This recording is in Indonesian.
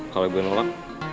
kalau gue nolak